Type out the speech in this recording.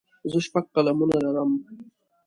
زه شپږ قلمونه لرم.